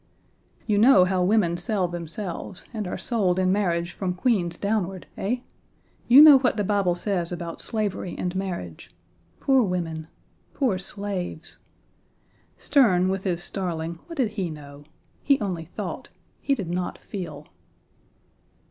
You know how women sell themselves and are sold in marriage from queens downward, eh? You know what the Bible says about slavery and marriage; poor women! poor slaves! Sterne, with his starling what did he know? He only thought, he did not feel.